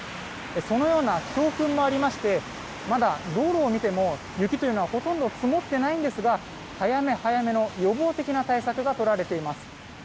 そのような教訓がありましてまだ道路を見ても雪というのはほとんど積もっていないんですが早め早めの予防的な対策がとられています。